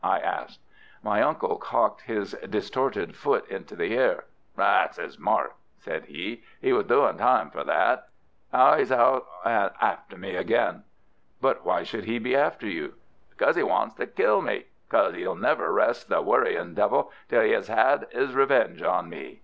I asked. My uncle cocked his distorted foot into the air. "That's 'is mark!" said he. "'E was doin' time for that. Now 'e's out an' after me again." "But why should he be after you?" "Because 'e wants to kill me. Because 'e'll never rest, the worrying devil, until 'e 'as 'ad 'is revenge on me.